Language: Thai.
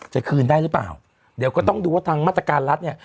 จะคืนได้หรือเปล่าเดี๋ยวก็ต้องดูว่าทางมาตรการรัฐเนี่ย